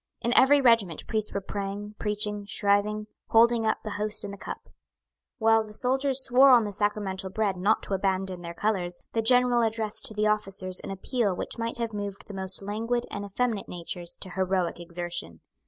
In every regiment priests were praying, preaching, shriving, holding up the host and the cup. While the soldiers swore on the sacramental bread not to abandon their colours, the General addressed to the officers an appeal which might have moved the most languid and effeminate natures to heroic exertion.